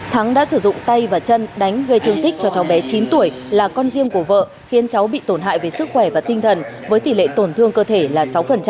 thắng đã sử dụng tay và chân đánh gây thương tích cho cháu bé chín tuổi là con riêng của vợ khiến cháu bị tổn hại về sức khỏe và tinh thần với tỷ lệ tổn thương cơ thể là sáu